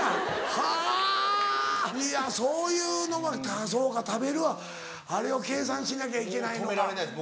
はぁいやそういうのもそうか食べるはあれを計算しなきゃいけないのか。